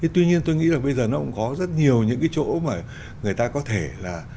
tuy nhiên tôi nghĩ là bây giờ nó cũng có rất nhiều những cái chỗ mà người ta có thể là